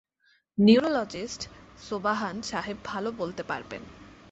Neurologist Sobahan সাহেব ভালো বলতে পারবেন।